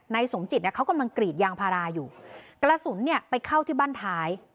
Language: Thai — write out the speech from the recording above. สมจิตเนี่ยเขากำลังกรีดยางพาราอยู่กระสุนเนี่ยไปเข้าที่บ้านท้าย